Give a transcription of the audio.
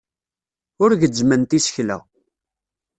Ur gezzment isekla.